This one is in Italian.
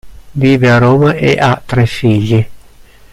Vive a Roma e ha tre figli.